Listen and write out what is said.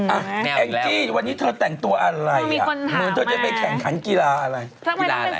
อ้าแอ่งจี้วันนี้จะแต่งตัวอะไรมีคนถามอ่ะแปปกิลาอะไร